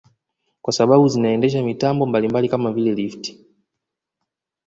Kwa sababu zinaendesha mitambo mbalimbali kama vile lifti